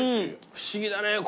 不思議だねこれ。